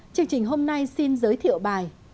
chương trình hôm nay xin giới thiệu bài